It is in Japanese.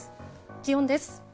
気温です。